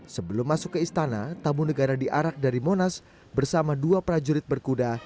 sebelum masuk ke istana tamu negara diarak dari monas bersama dua prajurit berkuda